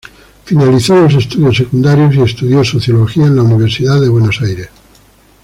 Finalizó los estudios secundarios y estudió Sociología en la Universidad de Buenos Aires.